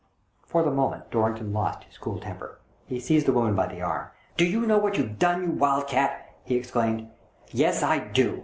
For the moment Dorrington lost his cool temper. He seized the woman by the arm. " Do you know what you've done, you wild cat ?" he exclaimed. "Yes, I do!"